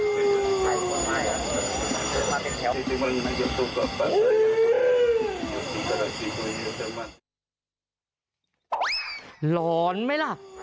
ร้อนมั้ยล่ะ